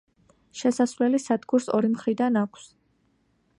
შესასვლელი სადგურს ორი მხრიდან აქვს.